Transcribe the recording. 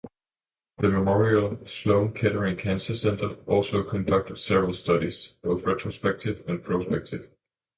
The Memorial Sloan-Kettering Cancer Center also conducted several studies, both retrospective and prospective.